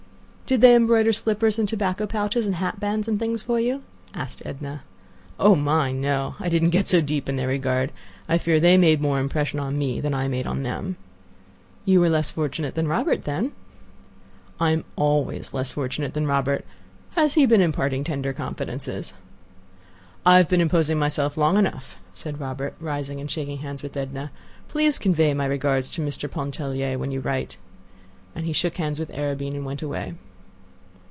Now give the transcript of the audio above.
"Did they embroider slippers and tobacco pouches and hat bands and things for you?" asked Edna. "Oh! my! no! I didn't get so deep in their regard. I fear they made more impression on me than I made on them." "You were less fortunate than Robert, then." "I am always less fortunate than Robert. Has he been imparting tender confidences?" "I've been imposing myself long enough," said Robert, rising, and shaking hands with Edna. "Please convey my regards to Mr. Pontellier when you write." He shook hands with Arobin and went away.